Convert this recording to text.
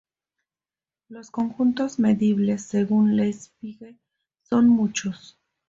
Los conjuntos medibles según Lebesgue son muchos.